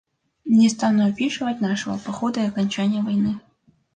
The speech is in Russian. Не стану описывать нашего похода и окончания войны.